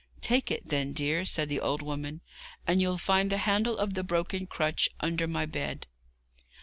'Take it, then, dear,' said the old woman, 'and you'll find the handle of the broken crutch under my bed.'